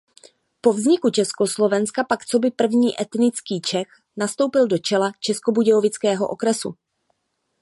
Po vzniku Československa pak coby první etnický Čech nastoupil do čela českobudějovického okresu.